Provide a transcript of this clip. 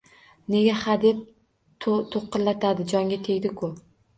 Nega hadeb to’qillatadi? Jonga tegdi-ku?